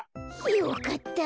よかった。